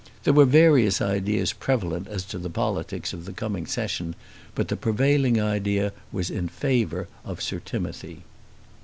There were various ideas prevalent as to the politics of the coming Session; but the prevailing idea was in favour of Sir Timothy.